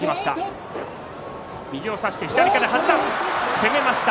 攻めました。